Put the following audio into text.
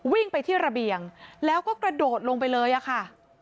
วิ่งไปที่ระเบียงแล้วก็กระโดดลงไปเลยอะค่ะ